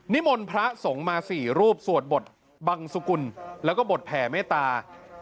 มนต์พระสงฆ์มา๔รูปสวดบทบังสุกุลแล้วก็บทแผ่เมตตา